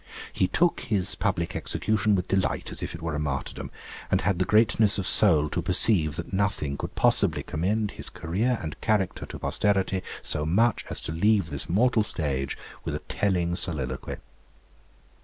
He took his public execution with delight, as if it were a martyrdom, and had the greatness of soul to perceive that nothing could possibly commend his career and character to posterity so much as to leave this mortal stage with a telling soliloquy.